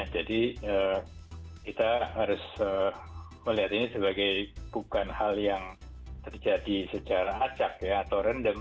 jadi kita harus melihat ini sebagai bukan hal yang terjadi secara acak atau random